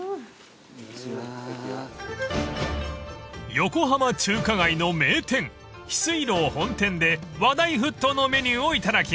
［横浜中華街の名店翡翠楼本店で話題沸騰のメニューをいただきます］